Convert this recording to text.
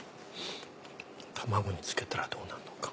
卵につけたらどうなるのか。